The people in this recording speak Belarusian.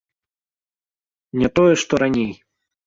Не тое, што раней!